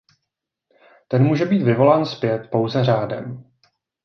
Ten může být vyvolán zpět pouze řádem.